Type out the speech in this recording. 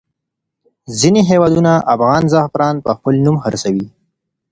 ځینې هېوادونه افغان زعفران په خپل نوم خرڅوي.